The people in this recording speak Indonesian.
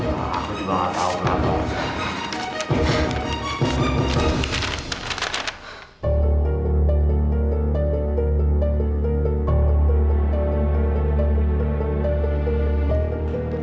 ah udah lah tau nggak mau